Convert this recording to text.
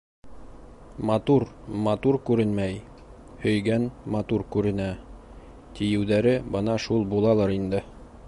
Матур матур күренмәй, һөйгән матур күренә, тиеүҙәре бына шул булалыр инде.